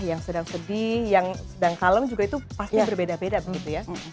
yang sedang sedih yang sedang kalem juga itu pasti berbeda beda begitu ya